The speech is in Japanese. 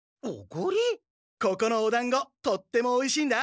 ここのおだんごとってもおいしいんだ。